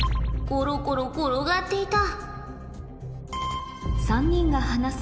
「コロコロ転がっていた」。